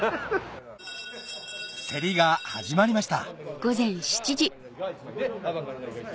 競りが始まりました